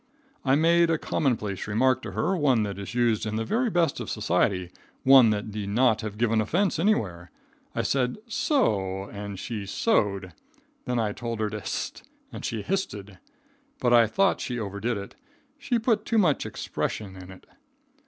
I made a common place remark to her, one that is used in the very best of society, one that need not have given offence anywhere. I said "So" and she "soed." Then I told her to "hist" and she histed. But I thought she overdid it. She put too much expression in it.